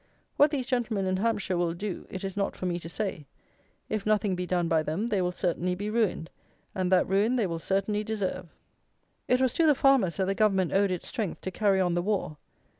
What these gentlemen in Hampshire will do it is not for me to say. If nothing be done by them, they will certainly be ruined, and that ruin they will certainly deserve. It was to the farmers that the Government owed its strength to carry on the war.